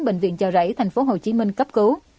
bệnh viện chào rẫy thành phố hồ chí minh cấp cứu